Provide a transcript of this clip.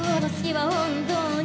はい。